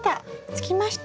つきました。